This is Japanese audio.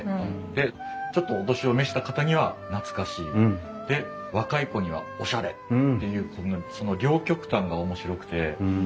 でちょっとお年を召した方には懐かしいで若い子にはおしゃれっていうその両極端が面白くて。